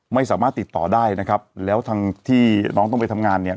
ไม่สามารถติดต่อได้นะครับแล้วทางที่น้องต้องไปทำงานเนี่ย